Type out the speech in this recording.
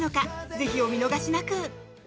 ぜひお見逃しなく。